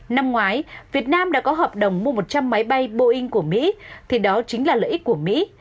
năm ngoái việt nam đã có hợp đồng mua một trăm linh máy bay boeing của mỹ thì đó chính là lợi ích của mỹ